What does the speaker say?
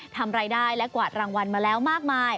ทำรายได้และกวาดรางวัลมาแล้วมากมาย